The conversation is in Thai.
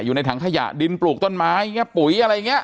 อยู่ในถังขยะดินปลูกต้นไม้อย่างนี้ปุ๋ยอะไรอย่างนี้